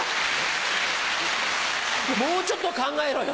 もうちょっと考えろよ。